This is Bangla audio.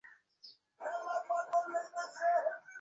তিনি কলকাতা বিশ্ববিদ্যালয় এর উপাচার্য হন।